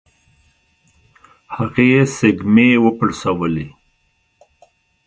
هغې سږمې وپړسولې.